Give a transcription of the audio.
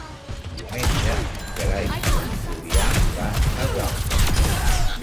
Diumenge en Gerai i en Julià van a Gualta.